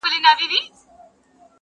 ته ګرځې لالهانده پسي شیخه ما لیدلي.